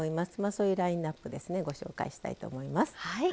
そういうラインナップご紹介したいと思います。